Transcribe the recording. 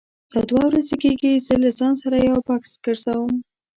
دا دوه ورځې کېږي زه له ځان سره یو بکس ګرځوم.